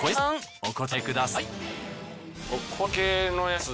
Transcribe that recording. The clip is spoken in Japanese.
お答えください。